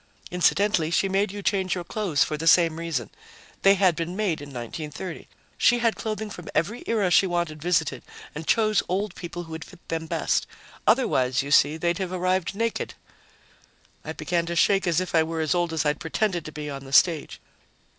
"Incidentally, she made you change your clothes for the same reason they had been made in 1930. She had clothing from every era she wanted visited and chose old people who would fit them best. Otherwise, you see, they'd have arrived naked." I began to shake as if I were as old as I'd pretended to be on the stage.